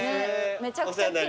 めちゃくちゃ奇麗。